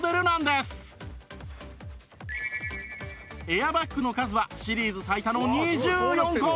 エアバッグの数はシリーズ最多の２４個！